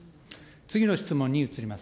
次の質問に移ります。